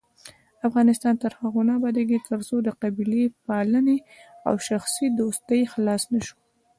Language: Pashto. افغانستان تر هغو نه ابادیږي، ترڅو له قبیلې پالنې او شخصي دوستۍ خلاص نشو.